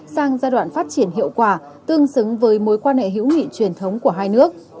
sang giai đoạn phát triển hiệu quả tương xứng với mối quan hệ hữu nghị truyền thống của hai nước